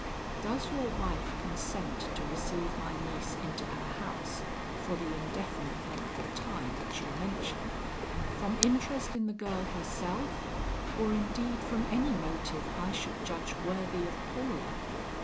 Does your wife consent to receive my niece into her house, for the indefinite length of time which you mention, from interest in the girl herself or indeed from any motive I should judge worthy of Paula?